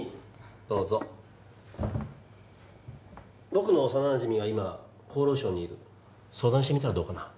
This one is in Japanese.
どうぞ僕の幼なじみが今厚労省にいる相談してみたらどうかな？